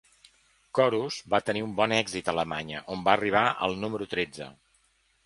"Chorus" va tenir un bon èxit a Alemanya, on va arribar al número tretze.